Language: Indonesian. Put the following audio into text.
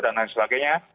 dan lain sebagainya